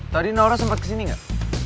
tadi naora sempet kesini gak